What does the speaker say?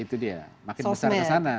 itu dia makin besar kesana